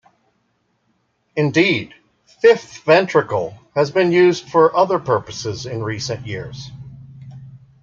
Indeed, "fifth ventricle" has been used for other purposes in recent years.